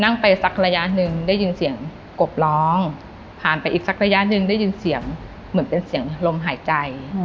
นั่งไปสักระยะหนึ่งได้ยินเสียงกบร้องผ่านไปอีกสักระยะหนึ่งได้ยินเสียงเหมือนเป็นเสียงลมหายใจ